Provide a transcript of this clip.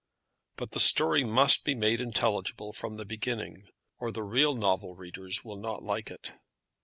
But the story must be made intelligible from the beginning, or the real novel readers will not like it.